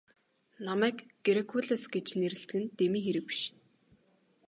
Намайг Геркулес гэж нэрлэдэг нь дэмий хэрэг биш.